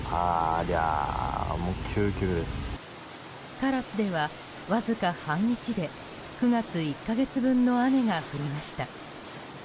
唐津では、わずか半日で９月１か月分の雨が降りました。